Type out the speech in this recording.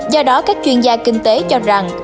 do đó các chuyên gia kinh tế cho rằng